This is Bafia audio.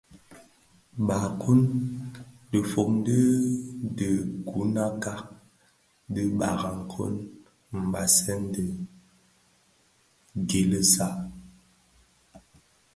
Barkun, dhifom di dhiguňakka di birakong mbasèn bè gil za.